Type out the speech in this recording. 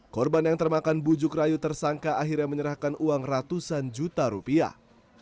korban yang termakan bujuk rayu tersangka akhirnya menyerahkan uang ratusan juta rupiah